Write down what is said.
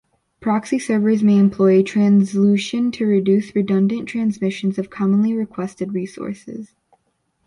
Proxy servers may employ transclusion to reduce redundant transmissions of commonly requested resources.